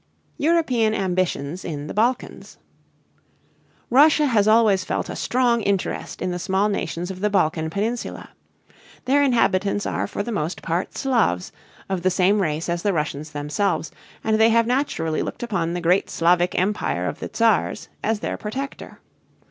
EUROPEAN AMBITIONS IN THE BALKANS. Russia has always felt a strong interest in the small nations of the Balkan peninsula. Their inhabitants are for the most part Slavs, of the same race as the Russians themselves, and they have naturally looked upon the great Slavic empire of the Czars as their protector.